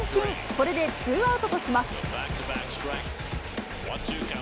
これでツーアウトとします。